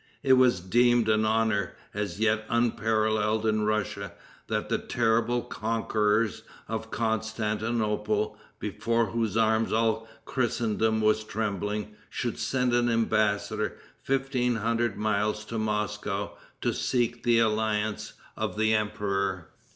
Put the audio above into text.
It was deemed an honor, as yet unparalleled in Russia, that the terrible conquerors of Constantinople, before whose arms all Christendom was trembling, should send an embassador fifteen hundred miles to Moscow to seek the alliance of the emperor.